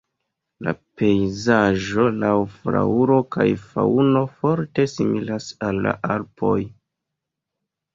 La pejzaĝo laŭ flaŭro kaj faŭno forte similas al la Alpoj.